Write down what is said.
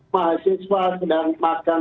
mahasiswa sedang makan